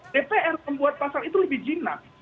dpr membuat pasal itu lebih jinak